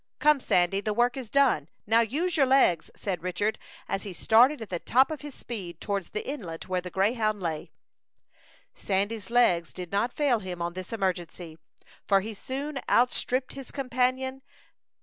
"Come, Sandy, the work is done. Now use your legs," said Richard, as he started at the top of his speed towards the inlet where the Greyhound lay. Sandy's legs did not fail him on this emergency, for he soon outstripped his companion.